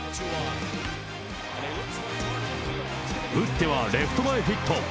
打ってはレフト前ヒット。